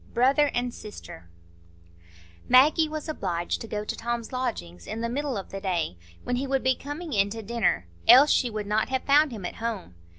Brother and Sister Maggie was obliged to go to Tom's lodgings in the middle of the day, when he would be coming in to dinner, else she would not have found him at home.